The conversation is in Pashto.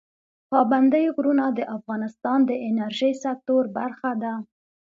پابندی غرونه د افغانستان د انرژۍ سکتور برخه ده.